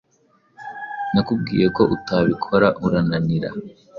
Nakubwiye ko utabikora urananira